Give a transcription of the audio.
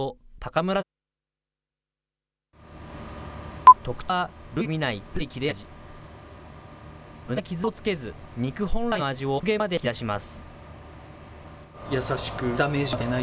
むだな傷をつけず、肉本来の味を極限まで引き出します。